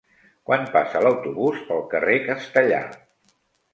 Quan passa l'autobús pel carrer Castellar?